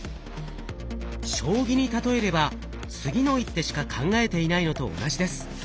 将棋に例えれば次の一手しか考えていないのと同じです。